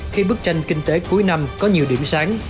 khi bức tranh kinh tế cuối năm có nhiều điểm sáng